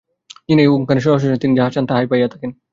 যিনি এই ওঙ্কারের রহস্য জানেন, তিনি যাহা চান, তাহাই পাইয়া থাকেন।